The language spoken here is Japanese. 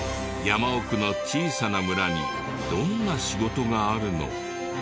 山奥の小さな村にどんな仕事があるの？